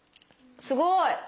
すごい！